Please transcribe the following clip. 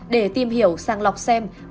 để tìm hiểu sang lọc xem